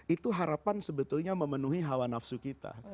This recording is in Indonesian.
itu harapan sebetulnya memenuhi hawa nafsu kita